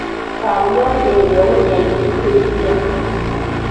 Kaabuyonjo eyo ewunya ekiyitiridde.